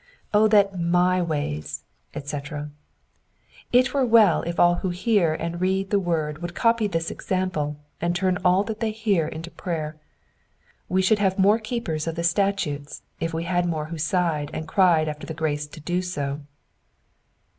O that my ways," etc. It were well if all who hear and read the word would copy this example and turn all that they hear into prayer. We should have more keepers of the statutes if we had more who sighed and cried after the grace to do so.